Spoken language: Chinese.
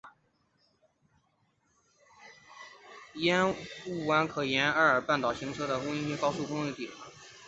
烟雾湾可经沿艾尔半岛行车的弗林德斯高速公路抵达。